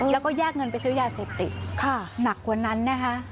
แล้วก็แยกเงินไปซื้อยาเสพติดหนักกว่านั้นนะคะ